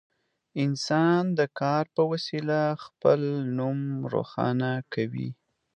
انسان د کار په وسیله خپل نوم روښانه کوي.